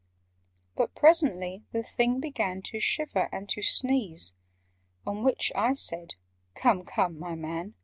But presently the Thing began To shiver and to sneeze: On which I said "Come, come, my man!